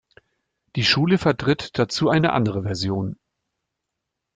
Die Schule vertritt dazu eine andere Version.